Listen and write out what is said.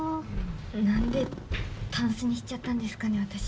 なんでタンスにしちゃったんですかね私。